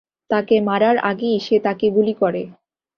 তাকে মারার আগেই সে তাকে গুলি করে।